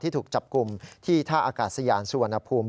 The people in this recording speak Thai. ที่ถูกจับกลุ่มที่ถ้าอากาศยานส่วนอภูมิ